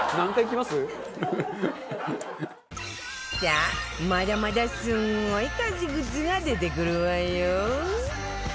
さあまだまだすごい家事グッズが出てくるわよ